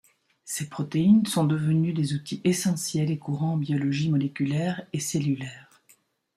Ces protéines sont devenues des outils essentiels et courants en biologie moléculaire et cellulaire.